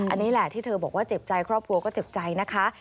อันนี้แหละที่เธอบอกว่าเจ็บใจครอบครัวก็เจ็บใจนะคะ